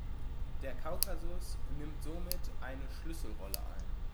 Der Kaukasus nimmt somit eine Schlüsselrolle ein.